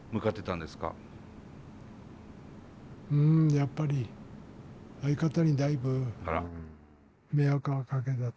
やっぱり相方にだいぶ迷惑はかけたと。